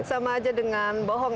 sama aja dengan bohong